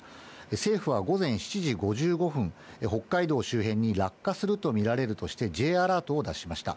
政府は午前７時５５分、北海道周辺に落下すると見られるとして、Ｊアラートを出しました。